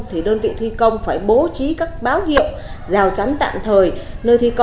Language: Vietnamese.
thì đơn vị thi công phải bố trí các báo hiệu rào chắn tạm thời